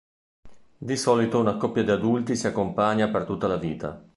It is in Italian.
Di solito una coppia di adulti si accompagna per tutta la vita.